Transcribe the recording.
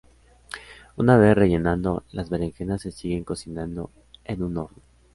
Una vez rellenado, las berenjenas se siguen cocinando en un horno.